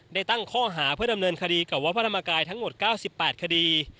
ได้ตั้งข้อหาเพื่อดำเนินคดีกับวัดพระธรรมกายทั้งหมด๙๘คดี